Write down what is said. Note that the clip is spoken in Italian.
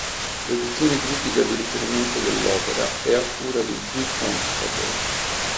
L'edizione critica di riferimento dell'opera è a cura di G. Constable.